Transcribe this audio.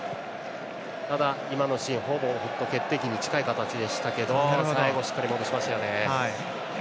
ただ、今のシーンはほぼ決定機に近い形でしたが最後しっかり戻しましたよね。